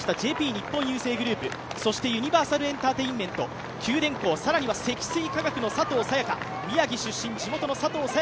ＪＰ日本郵政グループ、そしてユニバーサルエンターテインメント、九電工、更には積水化学の佐藤早也伽、宮城出身、地元の佐藤早